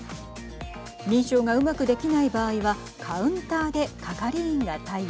認証がうまくできない場合はカウンターで係員が対応。